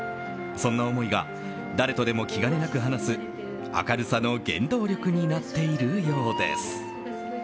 そんな思いが誰とでも気兼ねなく話す明るさの原動力になっているようです。